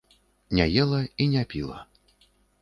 Не ела і не піла.